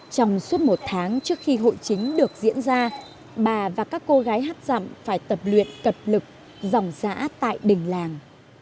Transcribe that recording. trong suốt một tháng trước khi hội chính được diễn ra bà và các cô gái hát rằm phải tập luyện cập lực dòng dã tại đình làng